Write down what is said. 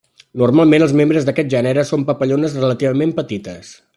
Normalment els membres d'aquest gènere són papallones relativament petites.